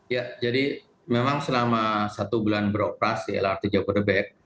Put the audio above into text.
ya jadi memang selama satu bulan beroperasi lrt jabodebek